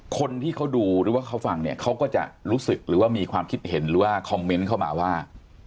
คนที่เขาดูหรือว่าเขาฟังเนี่ยเขาก็จะรู้สึกหรือว่ามีความคิดเห็นหรือว่าคอมเมนต์เข้ามาว่า